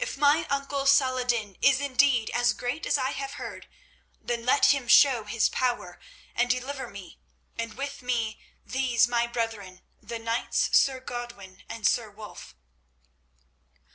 If my uncle Salah ed din is indeed as great as I have heard, then let him show his power and deliver me, and with me these my brethren, the knights Sir Godwin and Sir Wulf."